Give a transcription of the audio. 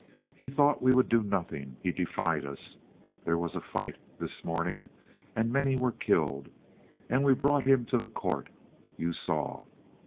He thought we would do nothing; he defied us. There was a fight this morning and many were killed. And we brought him to the court you saw."